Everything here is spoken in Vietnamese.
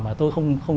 mà tôi không